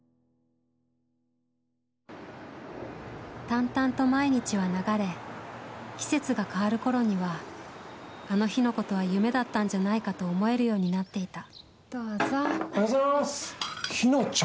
淡々と毎日は流れ季節が変わるころにはあの日のことは夢だったんじゃないかと思えるようになっていた。